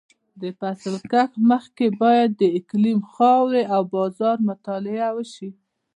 د فصل کښت مخکې باید د اقلیم، خاورې او بازار مطالعه وشي.